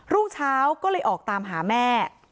ลูกชาวก็เลยออกตามหาแม่